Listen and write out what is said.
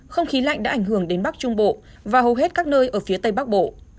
không khí lạnh đã ảnh hưởng đến bắc trung bộ và hầu hết các nơi ở phía tây bắc bộ